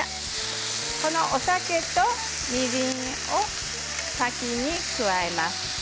お酒とみりんを先に加えます。